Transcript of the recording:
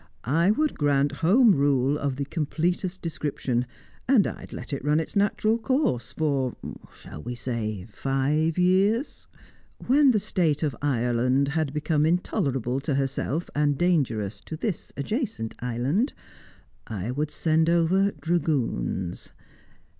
I would grant Home Rule of the completest description, and I would let it run its natural course for shall we say five years? When the state of Ireland had become intolerable to herself and dangerous to this adjacent island, I would send over dragoons.